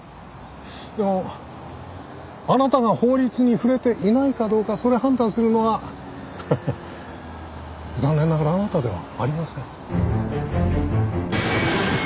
でもあなたが法律に触れていないかどうかそれ判断するのは残念ながらあなたではありません。